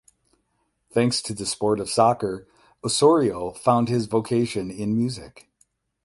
Thanks to the sport of soccer Osorio found his vocation in music.